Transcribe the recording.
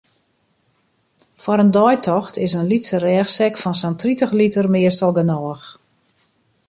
Foar in deitocht is in lytse rêchsek fan sa'n tritich liter meastal genôch.